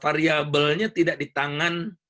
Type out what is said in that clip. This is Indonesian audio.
variabelnya tidak di tangan